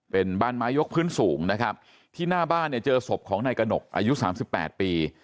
เป็นบ้านไม้ยกพื้นสูงนะครับที่หน้าบ้านเนี่ยเจอศพของนายกระหนกอายุสามสิบแปดปี